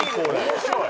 面白い。